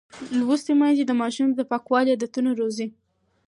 لوستې میندې د ماشوم د پاکوالي عادتونه روزي.